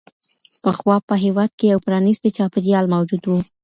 پخوا په هېواد کي یو پرانیستی چاپېریال موجود و.